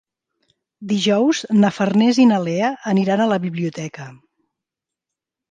Dijous na Farners i na Lea aniran a la biblioteca.